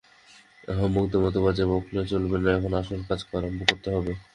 আহাম্মকের মত বাজে বকলে চলবে না, এখন আসল কাজ আরম্ভ করতে হবে।